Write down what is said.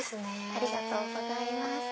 ありがとうございます。